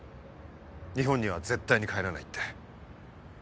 日本には絶対に帰らないって。